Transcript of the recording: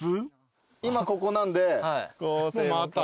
今ここなんで。